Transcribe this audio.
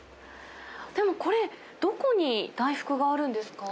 でもこれ、どこに大福があるんですか？